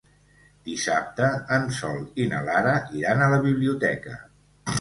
Dissabte en Sol i na Lara iran a la biblioteca.